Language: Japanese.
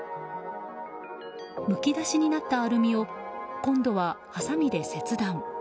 むき出しになったアルミを今度は、はさみで切断。